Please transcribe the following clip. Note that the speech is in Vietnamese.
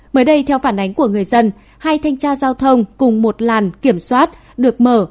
mới đây theo phản ánh của người dân hai thanh tra giao thông cùng một làn kiểm soát được mở